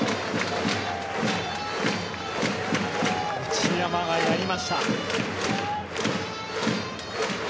内山がやりました。